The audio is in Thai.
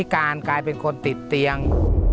กลายเป็นคนติดเตียง